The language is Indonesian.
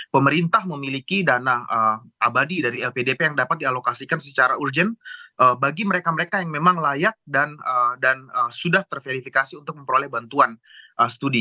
pemerintah memiliki dana abadi dari lpdp yang dapat dialokasikan secara urgent bagi mereka mereka yang memang layak dan sudah terverifikasi untuk memperoleh bantuan studi